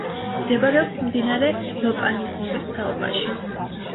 მდებარეობს მდინარე ლოპანისწყლის ხეობაში.